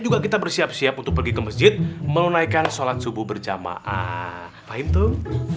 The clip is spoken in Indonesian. juga kita bersiap siap untuk pergi ke masjid menunaikan sholat subuh berjamaah pahing tuh